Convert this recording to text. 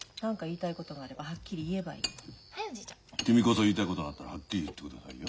君こそ言いたいことがあったらはっきり言ってくださいよ。